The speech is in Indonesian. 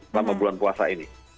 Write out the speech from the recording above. selama bulan puasa ini